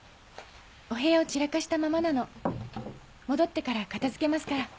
お部屋を散らかしたままなの戻ってから片付けますから。